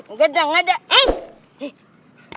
enggak enggak enggak